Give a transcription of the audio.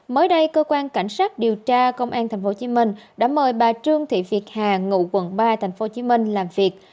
mới đây cơ quan cảnh sát điều tra công an tp hcm đã mời bà trương thị việt hà ngụ quận ba tp hcm làm việc